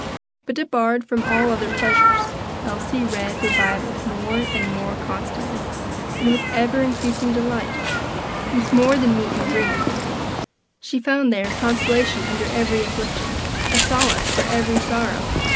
But debarred from all other pleasures, Elsie read her Bible more and more constantly, and with ever increasing delight; it was more than meat and drink to her; she there found consolation under every affliction, a solace for every sorrow.